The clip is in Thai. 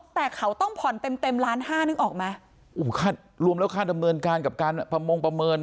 แต่เขาต้องผ่อนเต็มเต็มล้านห้านึกออกไหมค่ารวมแล้วค่าดำเนินการกับการประมงประเมิน